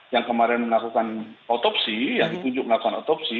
yang kemarin melakukan otopsi yang ditunjuk melakukan otopsi